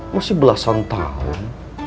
masih belasan tahun